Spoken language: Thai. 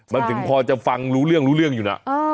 มันถึงพอจะฟังรู้เรื่องรู้เรื่องอยู่นะ